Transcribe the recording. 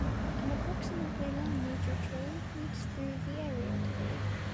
An approximately long nature trail leads through the area today.